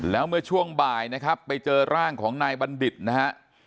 แล้วเมื่อช่วงบ่ายนะครับไปเจอร่างของนายบัณฑิตนะฮะ